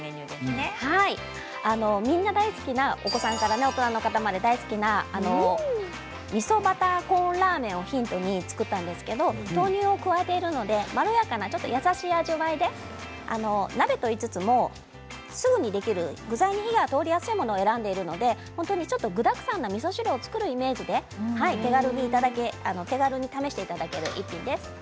みんな大好きな、お子さんから大人の方まで大好きなみそバターコーンラーメンをヒントに作ったんですけれども豆乳を加えているのでまろやかなちょっと優しい味わいで鍋と言いつつもすぐにできる具材に火が通りやすいものを選んでいるので具だくさんのみそ汁を作るイメージで手軽に試していただける一品です。